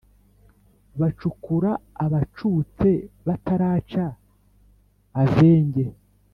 bacukura abacutse bataraca avenge,